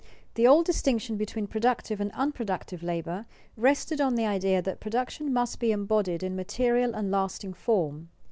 _ The old distinction between productive and unproductive labor rested on the idea that production must be embodied in material and lasting form.